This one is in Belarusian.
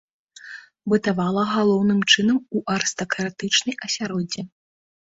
Бытавала галоўным чынам у арыстакратычнай асяроддзі.